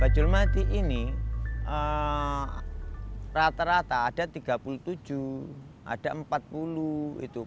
bajulmati ini rata rata ada tiga puluh tujuh ada empat puluh itu